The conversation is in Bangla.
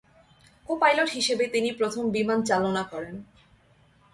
কো-পাইলট হিসেবে তিনি প্রথম বিমান চালনা করেন।